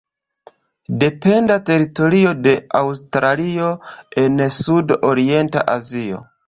Dependa teritorio de Aŭstralio en Sud-Orienta Azio.